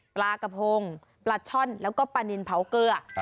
ปลากระพงปลาช่อนแล้วก็ปลานินเผาเกลือ